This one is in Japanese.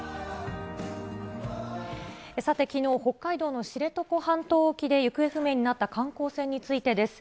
さて、きのう北海道の知床半島沖で行方不明になった観光船についてです。